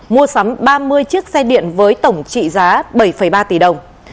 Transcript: mua sắm ba mươi chiếc xe điện với tổng trị giá bảy ba tỷ đồng